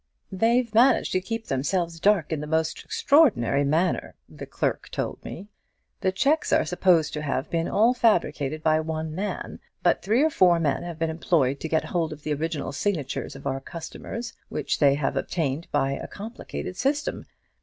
'They've managed to keep themselves dark in the most extraordinary manner,' the clerk told me; 'the cheques are supposed to have been all fabricated by one man, but three or four men have been employed to get hold of the original signatures of our customers, which they have obtained by a complicated system.